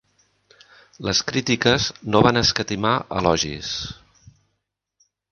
Les crítiques no van escatimar elogis.